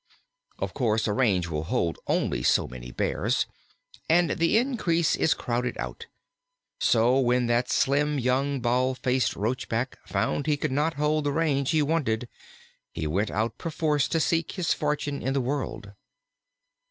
Of course a range will hold only so many Bears, and the increase is crowded out; so that when that slim young Bald faced Roachback found he could not hold the range he wanted, he went out perforce to seek his fortune in the world.